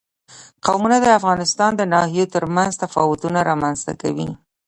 قومونه د افغانستان د ناحیو ترمنځ تفاوتونه رامنځ ته کوي.